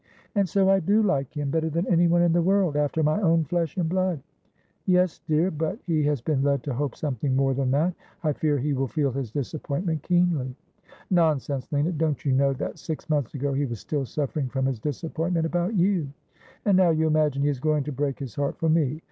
' And so I do like him, better than anyone in the world — after my own flesh and blood.' ' Yes, dear. But he has been led to hope something more than that. I fear he will feel his disappointment keenly.' ' Nonsense, Lina. Don't you know that six months ago he was still suffering from his disappointment about you ? and now you imagine he is going to break his heart for me.